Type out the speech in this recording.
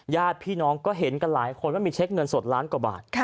ญาติพี่น้องก็เห็นกันหลายคนว่ามีเช็คเงินสดล้านกว่าบาท